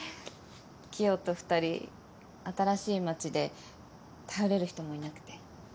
キヨと２人新しい街で頼れる人もいなくて。